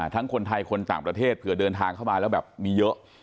คนไทยคนต่างประเทศเผื่อเดินทางเข้ามาแล้วแบบมีเยอะ